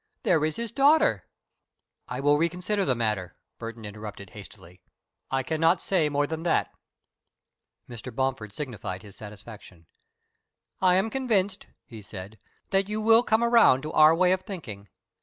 There is his daughter " "I will reconsider the matter," Burton interrupted, hastily. "I cannot say more than that." Mr. Bomford signified his satisfaction. "I am convinced," he said, "that you will come around to our way of thinking.